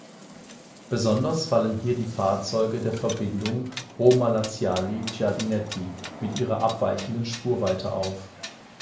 Besonders fallen hier die Fahrzeuge der Verbindung Roma Laziali–Giardinetti mit ihrer abweichenden Spurweite auf.